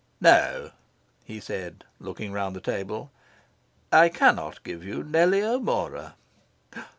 "No," he said, looking round the table, "I cannot give you Nellie O'Mora."